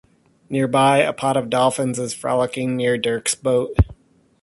Nearby, a pod of dolphins is frolicking near Dirks boat.